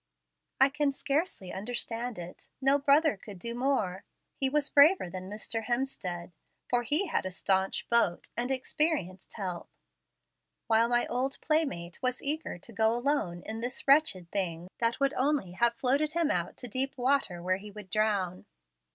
"I can scarcely understand it. No brother could do more. He was braver than Mr. Hemstead, for he had a stanch boat, and experienced help, while my old playmate was eager to go alone in this wretched thing that would only have floated him out to deep water where he would drown.